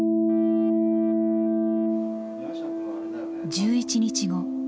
１１日後。